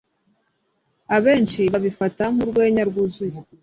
Abenshi babifata nk’urwenya rwuzuye